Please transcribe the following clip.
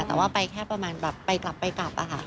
แต่ว่าไปแค่ประมาณแบบไปกลับค่ะ